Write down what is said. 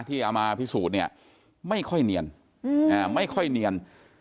ที่เอามาพิสูจน์เนี่ยไม่ค่อยเนียนไม่ค่อยเนียน